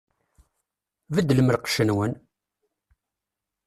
Beddlem lqecc-nwen!